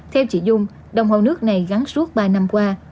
theo chị dung đồng hồ nước này gắn suốt ba năm qua